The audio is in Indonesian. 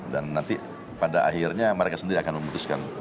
dan nanti pada akhirnya mereka sendiri akan memutuskan